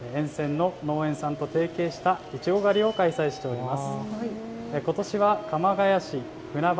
９つの農園と提携していちご狩りを開催しております。